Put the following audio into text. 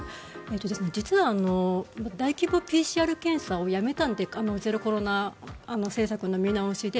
実は大規模ＰＣＲ検査をやめたのでゼロコロナ政策の見直しで。